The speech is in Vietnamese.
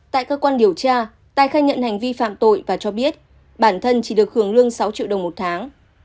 tại cơ quan điều tra tài khai nhận hành vi phạm tội và cho biết bản thân chỉ được hưởng lương sáu triệu đồng một tháng